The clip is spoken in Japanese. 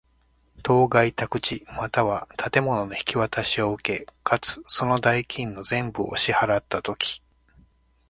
当該宅地又は建物の引渡しを受け、かつ、その代金の全部を支払つたとき。